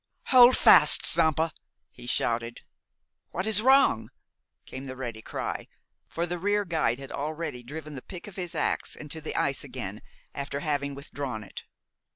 "Hold fast, Stampa!" he shouted. "What is wrong?" came the ready cry, for the rear guide had already driven the pick of his ax into the ice again after having withdrawn it.